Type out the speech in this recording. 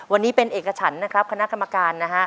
วันนี้เป็นเอกฉันนะครับคณะกรรมการนะฮะ